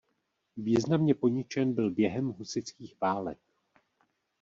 Významně poničen byl během husitských válek.